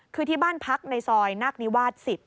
คือที่บ้านพักในซอยนักนิวาส๑๐